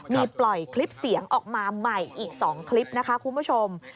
มีปล่อยคลิปเสียงออกมาใหม่อีก๒คลิปนะคะคุณผู้ชม